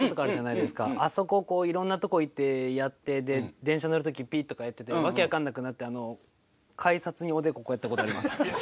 あそここういろんなとこ行ってやって電車乗るときピッとかやってて訳分かんなくなってあの改札におでここうやったことあります。